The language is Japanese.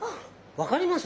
分かります？